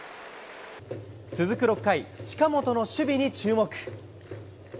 続く６回、近本の守備に注目。